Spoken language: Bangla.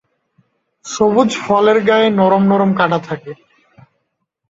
সবুজ ফলের গায়ে নরম নরম কাঁটা থাকে।